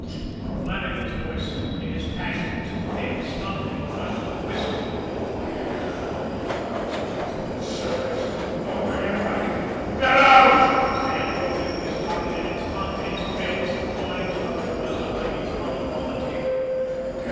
_" Flannagan's voice in his passion was a thick, stumbling, guttural whisper. "Get out! Go back to your circus go where you like! Get out!" His hand dove into his pocket, and its contents, bills and coins, what there was of them, he flung upon the table.